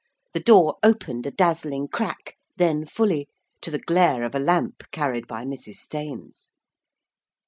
The door opened a dazzling crack, then fully, to the glare of a lamp carried by Mrs. Staines.